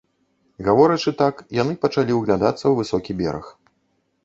Гаворачы так, яны пачалі ўглядацца ў высокі бераг.